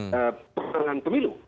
kepentingan pemerintahan pemilu